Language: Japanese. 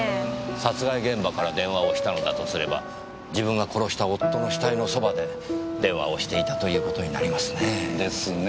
殺害現場から電話をしたのだとすれば自分が殺した夫の死体のそばで電話をしていたという事になりますねぇ。ですね。